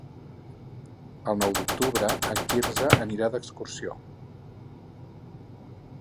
El nou d'octubre en Quirze anirà d'excursió.